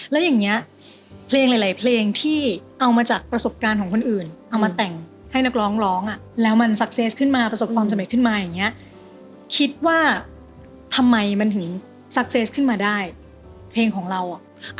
แล้วอย่างนี้เพลงหลายเพลงที่เอามาจากประสบการณ์ของคนอื่นเอามาแต่งให้นักร้องร้องอ่ะแล้วมันซักเซสขึ้นมาประสบความสำเร็จขึ้นมาอย่างเงี้ยคิดว่าทำไมมันถึงซักเซสขึ้นมาได้เพลงของเราอ่ะ